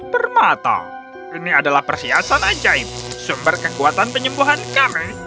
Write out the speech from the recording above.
permata ini adalah perhiasan ajaib sumber kekuatan penyembuhan kami